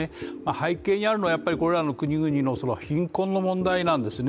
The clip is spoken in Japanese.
背景にあるのはやっぱりこれらの国々の貧困の問題なんですね。